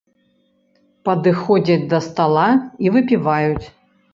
Падыходзяць да стала і выпіваюць.